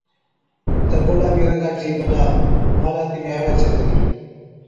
تہ گُلابِي رنگا چِي بَلا محلاتِي ۾ آوَي ڇَي چلِي،